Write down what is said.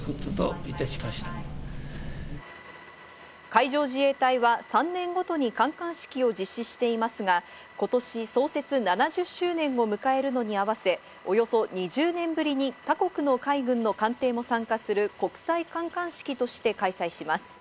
海上自衛隊は３年ごとに観艦式を実施していますが、今年創設７０周年を迎えるのに合わせ、およそ２０年ぶりに他国の海軍の艦艇も参加する国際観艦式として開催します。